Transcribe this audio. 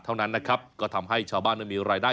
เท่านั้นนะครับก็ทำให้ชาวบ้านนั้นมีรายได้